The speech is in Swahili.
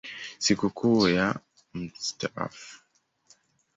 Sikukuu ya Mt.